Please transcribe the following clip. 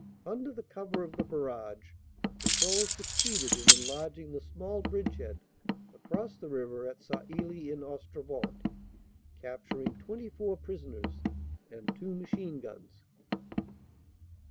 Under the cover of the barrage, patrols succeeded in enlarging the small bridgehead across the river at Sailly en Ostrevent, capturing 24 prisoners and two machine guns.